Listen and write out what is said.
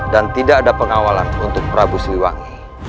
dan tidak ada pengawalan untuk prabu siliwangi